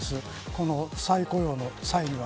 この再雇用の際には。